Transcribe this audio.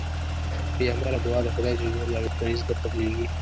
بی عمله دوعا د خدای ج په نزد نه قبلېږي